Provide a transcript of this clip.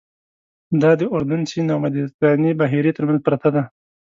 دا د اردن سیند او مدیترانې بحیرې تر منځ پرته ده.